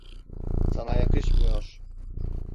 Sana yakışmıyor.